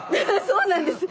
そうなんです。